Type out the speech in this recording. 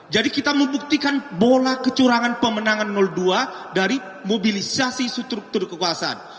jadi kita membuktikan pola kecurangan pemenangan dua dari mobilisasi struktur kekuasaan